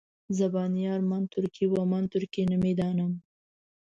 زبان یار من ترکي ومن ترکي نمیدانم.